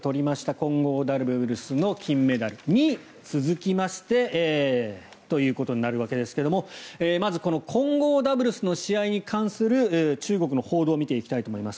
混合ダブルスの金メダルに続きましてということになるわけですがまずこの混合ダブルスの試合に関する中国の報道を見ていきたいと思います。